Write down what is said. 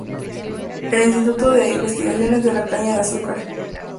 El instituto de Investigaciones de la Caña de Azúcar.